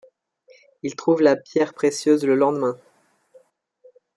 Il trouve la pierre précieuse le lendemain.